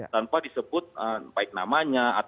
tanpa disebut baik namanya